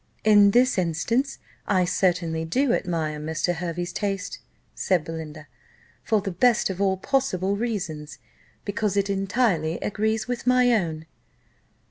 "In this instance I certainly do admire Mr. Hervey's taste," said Belinda, "for the best of all possible reasons, because it entirely agrees with my own."